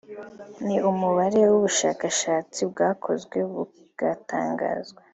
ni umubare w’ubushakashatsi bwakozwe bugatangazwa